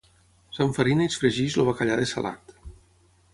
s'enfarina i es fregeix el bacallà dessalat